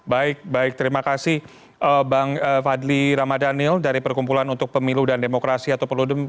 baik baik terima kasih bang fadli ramadhanil dari perkumpulan untuk pemilu dan demokrasi atau perludem